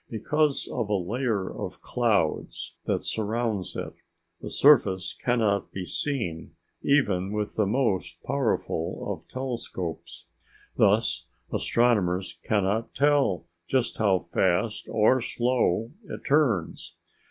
Because of a layer of clouds that surrounds it, the surface cannot be seen even with the most powerful of telescopes. Thus, astronomers cannot tell just how fast or slow it turns.